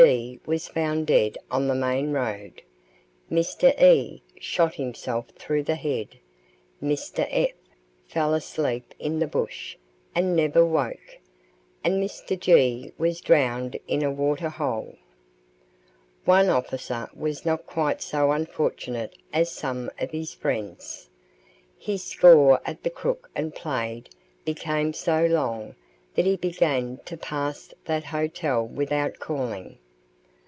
D. was found dead on the main road; Mr. E. shot himself through the head; Mr. F. fell asleep in the bush and never woke; and Mr. G. was drowned in a waterhole. One officer was not quite so unfortunate as some of his friends. His score at the Crook and Plaid became so long that he began to pass that hotel without calling.